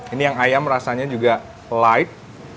ini yang ayam rasanya juga live